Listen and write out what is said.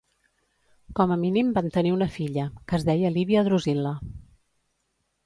Com a mínim van tenir una filla, que es deia Lívia Drusil·la.